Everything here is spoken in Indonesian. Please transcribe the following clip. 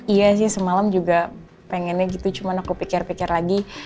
iya sih semalam juga pengennya gitu cuma aku pikir lagi